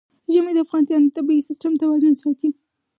ژمی د افغانستان د طبعي سیسټم توازن ساتي.